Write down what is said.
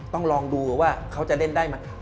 ต้องลองดูว่าเขาจะเล่นได้ไหม